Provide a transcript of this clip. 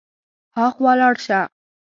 هاخوا لاړ شه.